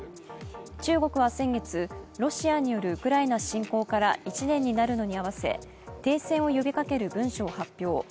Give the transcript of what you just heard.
中国は先月、ロシアによるウクライナ侵攻から１年になるのに合わせ停戦を呼びかける文書を発表。